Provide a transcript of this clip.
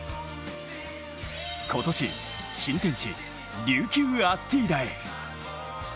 今年、新天地琉球アスティーダへ。